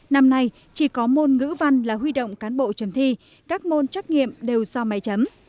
năm nay chỉ có môn ngữ văn là huy động cán bộ chấm thi các môn trắc nghiệm đều do máy chấm